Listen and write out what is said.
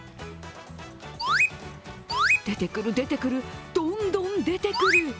出てくる、出てくるどんどん出てくる！